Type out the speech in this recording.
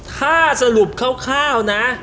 ถ้าสรุปคร่าวนะ